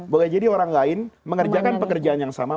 boleh jadi orang lain mengerjakan pekerjaan yang sama